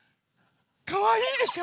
かわいいでしょ？